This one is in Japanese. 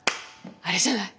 あれじゃない？